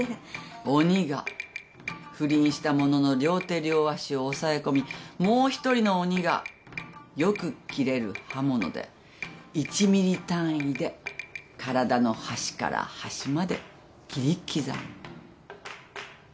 鬼が不倫した者の両手両足を押さえ込みもう一人の鬼がよく切れる刃物で１ｍｍ単位で体の端から端まで切り刻む。